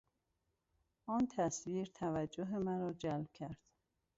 آن تصویر توجه مرا جلب کرد.